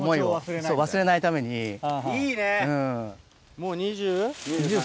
もう２０？